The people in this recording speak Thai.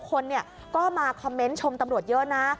คนก็มาคอมเมนต์ชมตำรวจเยอะนะ